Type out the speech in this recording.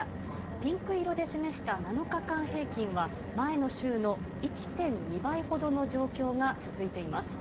ピンク色で示した７日間平均は、前の週の１．２倍ほどの状況が続いています。